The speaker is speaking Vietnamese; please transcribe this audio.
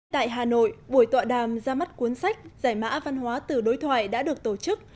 tại hà nội buổi tọa đàm ra mắt cuốn sách giải mã văn hóa từ đối thoại đã được tổ chức